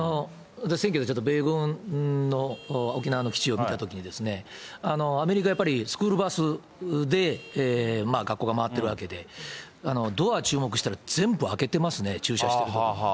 選挙で、ちょっと米軍の沖縄の基地を見たときに、アメリカはやっぱりスクールバスで学校が回ってるわけで、ドア注目したら、全部開けてますね、駐車してるとき。